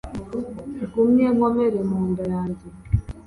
Ngumye nkomere mu nda yange